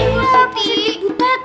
iya buan positi butet